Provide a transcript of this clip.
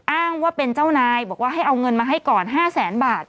อ้างว่าเป็นเจ้านายบอกว่าให้เอาเงินมาให้ก่อน๕แสนบาท